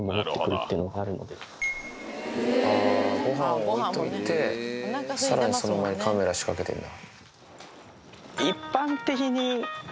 あぁご飯を置いといてさらにその前にカメラ仕掛けてるんだ。